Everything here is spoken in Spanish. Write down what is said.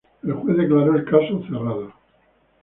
El juez declaró el caso cerrado.